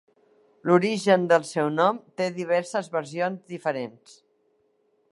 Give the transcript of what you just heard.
L'origen del seu nom te diverses versions diferents.